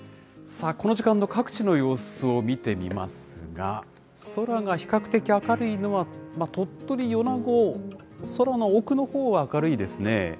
さあ、この時間の各地の様子を見てみますが、空が比較的明るいのは、鳥取・米子、空の奥のほうは明るいですね。